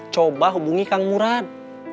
coba hubungi kang murad